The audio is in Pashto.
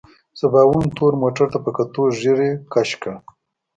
سباوون تور موټر ته په کتو ږيرې کش کړ.